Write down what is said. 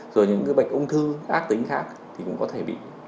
rồi những cái bệnh ung thư ác tính khác thì cũng có thể bị